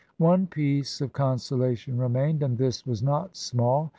One piece of consola tion remained, and this was not small.